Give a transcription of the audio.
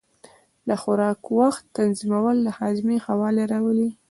د خوراک وخت تنظیمول د هاضمې ښه والی راولي.